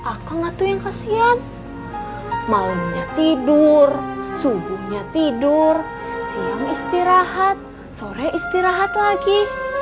akang atuh yang kasian malemnya tidur subuhnya tidur siang istirahat sore istirahat lagi